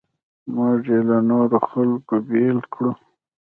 موږ یې له نورو خلکو بېل کړو.